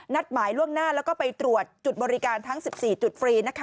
หมายล่วงหน้าแล้วก็ไปตรวจจุดบริการทั้ง๑๔จุดฟรีนะคะ